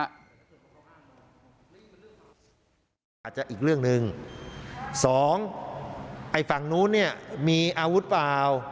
อาจจะอีกเรื่องหนึ่งสองไอ้ฝั่งนู้นเนี่ยมีอาวุธเปล่า